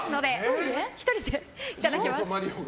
１人でいただきます。